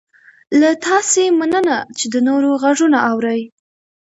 له تاسې مننه چې د نورو غږونه اورئ